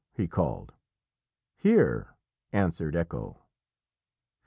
he called. "Here!" answered Echo.